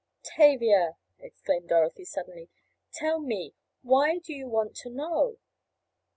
"Tavia," exclaimed Dorothy suddenly, "tell me, why do you want to know?"